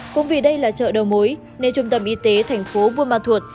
cũng vì đây là chợ đầu mối nên trung tâm y tế thành phố buôn ma thuột